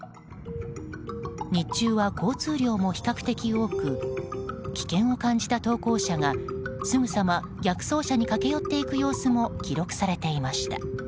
日中は交通量も比較的多く危険を感じた投稿者がすぐさま逆走車に駆け寄っていく様子も記録されていました。